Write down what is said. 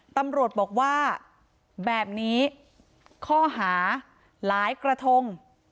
ตำรวจบอกว่าแบบนี้ข้อหาหลายกระทง